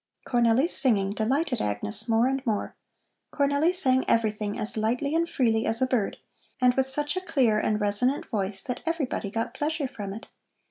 Cornelli's singing delighted Agnes more and more. Cornelli sang everything as lightly and freely as a bird, and with such a clear and resonant voice that everybody got pleasure from it.